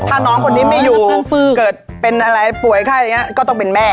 ถ้าน้องคนนี้ไม่อยู่เกิดเป็นอะไรป่วยไข้อย่างนี้ก็ต้องเป็นแม่